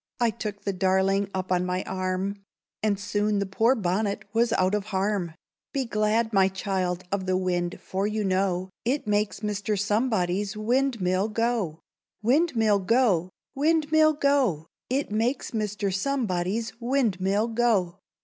I took the darling up on my arm, And soon the poor bonnet was out of harm. "Be glad, my child, of the wind, for you know, It makes Mr. Somebody's windmill go!" Cho.—Windmill go! windmill go! It makes Mr. Somebody's windmill go.